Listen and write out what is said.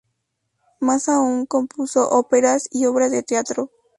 Más aún compuso óperas y obras de teatro.